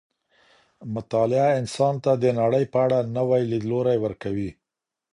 مطالعه انسان ته د نړۍ په اړه نوی ليدلوری ورکوي.